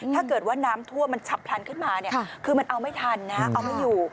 ถ้าเกิดว่าน้ำท่วมมันฉับพลันขึ้นมาเนี่ยคือมันเอาไม่ทันนะเอาไม่อยู่